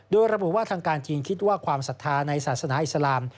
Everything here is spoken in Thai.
โดยระบุว่าทางการจีนคิดว่าความศรัทธาในศาสนาอิสลาม